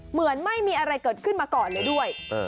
เหมือนไม่มีอะไรเกิดขึ้นมาก่อนเลยด้วย